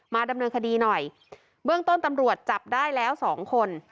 ดำเนินคดีหน่อยเบื้องต้นตำรวจจับได้แล้วสองคน